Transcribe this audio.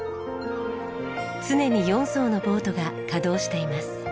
常に４艘のボートが稼働しています。